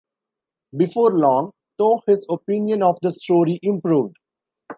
Before long, though, his opinion of the story improved.